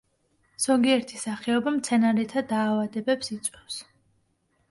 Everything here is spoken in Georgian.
ზოგიერთი სახეობა მცენარეთა დაავადებებს იწვევს.